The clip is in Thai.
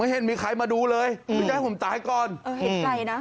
เห็นใจนะ